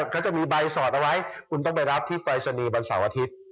เขาจะมีใบสอดเอาไว้คุณต้องไปรับที่ปรายศนีย์วันเสาร์อาทิตย์